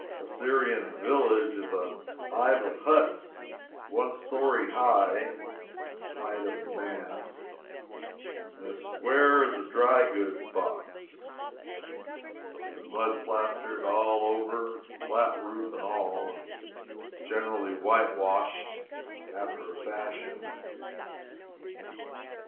A Syrian village is a hive of huts one story high (the height of a man,) and as square as a dry goods box; it is mud plastered all over, flat roof and all, and generally whitewashed after a fashion.